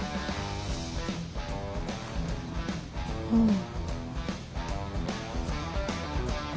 うん。